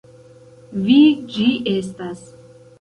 Vi ĝi estas!